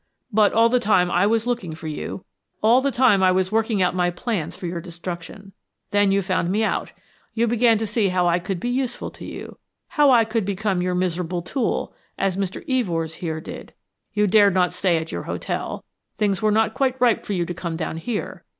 But all the time I was looking for you, all the time I was working out my plans for your destruction. Then you found me out you began to see how I could be useful to you, how I could become your miserable tool, as Mr. Evors here did. You dared not stay at your hotel things were not quite ripe for you to come down here.